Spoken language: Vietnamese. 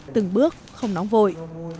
từng bước không nóng vội